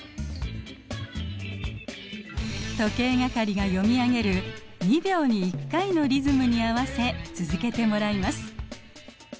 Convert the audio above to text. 時計係が読み上げる２秒に１回のリズムに合わせ続けてもらいます。